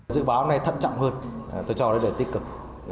dự báo hôm nay thận trọng hơn tôi cho nó đều tích cực